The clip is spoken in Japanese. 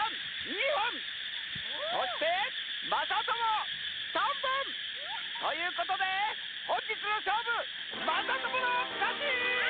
２ほんそしてまさとも３ぼん！ということでほんじつのしょうぶやった！